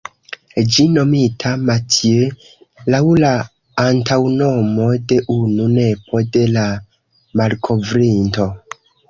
Ĝi nomita ""Mathieu"", laŭ la antaŭnomo de unu nepo de la malkovrinto.